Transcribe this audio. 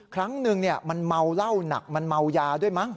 ครั้งหนึ่งมันเมาเหล้าหนักมันเมายาด้วยมั้ง